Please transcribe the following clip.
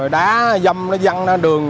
đá dâm văng ra đường